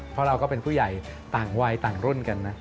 เพราะเราก็เป็นผู้ใหญ่ต่างวัยต่างรุ่นกันนะ